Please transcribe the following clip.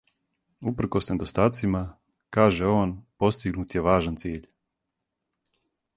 Упркос недостацима, каже он, постигнут је важан циљ.